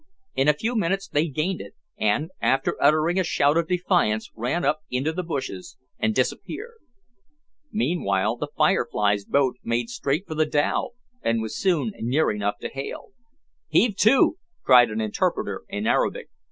In a few minutes they gained it, and, after uttering a shout of defiance, ran up into the bushes and disappeared. Meanwhile the "Firefly's" boat made straight for the dhow, and was soon near enough to hail. "Heave to," cried an interpreter in Arabic.